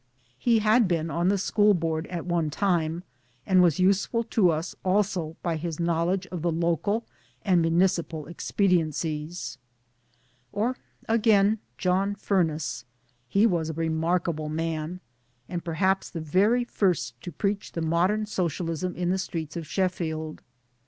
He had been on the school board at one time, and was useful to us also by his know ledge of local and municipal expediencies. Or SHEFFIELD AND SOCIALISM 133 again, John Furniss : he was a remarkable man, and perhaps the very first to preach the modern Socialism in the streets of Sheffield.